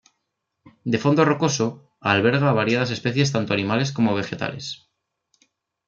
De fondo rocoso, alberga a variadas especies tanto animales como vegetales.